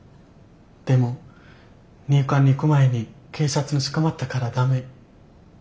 でも入管に行く前に警察に捕まったから駄目。